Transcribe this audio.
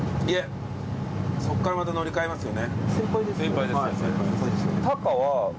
いえそこからまた乗り換えますよね。